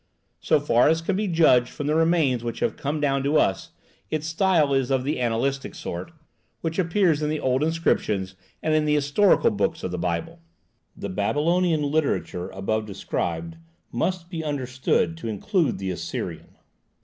So far as can be judged from the remains which have come down to us, its style is of the annalistic sort which appears in the old inscriptions and in the historical books of the Bible. The Babylonian literature above described must be understood to include the Assyrian.